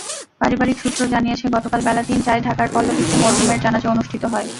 পারিবারিক সূত্র জানিয়েছে, গতকাল বেলা তিনটায় ঢাকার পল্লবীতে মরহুমের জানাজা অনুষ্ঠিত হয়।